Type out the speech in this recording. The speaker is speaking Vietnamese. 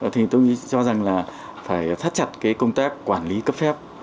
thì tôi nghĩ cho rằng là phải phát chặt cái công tác quản lý cấp phép